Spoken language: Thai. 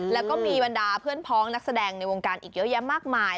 แล้วก็มีบรรดาเพื่อนพ้องนักแสดงในวงการอีกเยอะแยะมากมาย